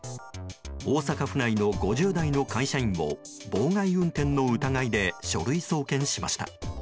大阪府内の５０代の会社員を妨害運転の疑いで書類送検しました。